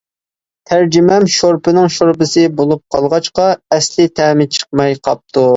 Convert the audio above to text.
تەرجىمەم شورپىنىڭ شورپىسى بولۇپ قالغاچقا ئەسلى تەمى چىقماي قاپتۇ.